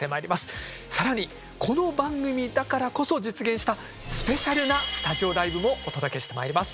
更にこの番組だからこそ実現したスペシャルなスタジオライブもお届けしてまいります。